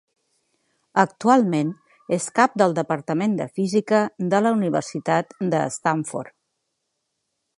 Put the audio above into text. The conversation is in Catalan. Actualment és cap del Departament de Física de la Universitat de Stanford.